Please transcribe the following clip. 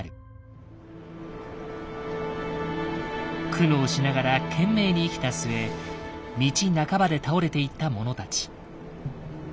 苦悩しながら懸命に生きた末道半ばで倒れていった者たち。